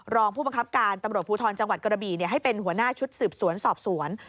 รองผู้บังคับการตำรวจภูทรจังหวัดกระบี่ให้เป็นหัวหน้าชุดสืบสวนสอบสวน